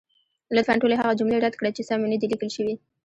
لطفا ټولې هغه جملې رد کړئ، چې سمې نه دي لیکل شوې.